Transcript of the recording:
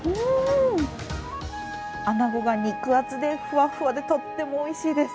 あなごが肉厚で、ふわふわでとってもおいしいです。